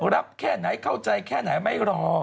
รับแค่ไหนเข้าใจแค่ไหนไม่รอ